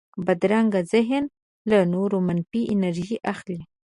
بدرنګه ذهن له نورو منفي انرژي اخلي